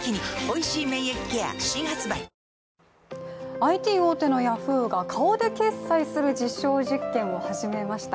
ＩＴ大手のヤフーが、顔で決済する実証実験を始めました。